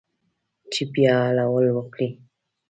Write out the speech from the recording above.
چې بیا حلول وکړي